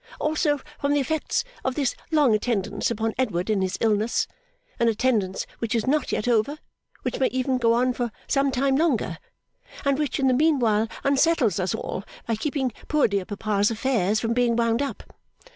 Also, from the effects of this long attendance upon Edward in his illness; an attendance which is not yet over, which may even go on for some time longer, and which in the meanwhile unsettles us all by keeping poor dear papa's affairs from being wound up.